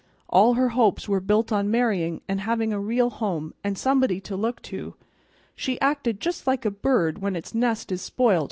All her hopes were built on marryin', an' havin' a real home and somebody to look to; she acted just like a bird when its nest is spoilt.